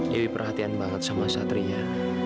lebih perhatian banget sama satria